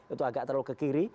itu agak terlalu ke kiri